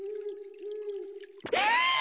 えっ！